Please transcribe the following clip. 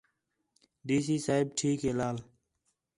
ڈی سی صاحب ٹھیک ہے لال